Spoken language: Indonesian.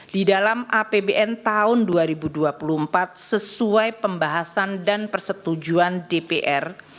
di dalam apbn tahun dua ribu dua puluh empat sesuai pembahasan dan persetujuan dpr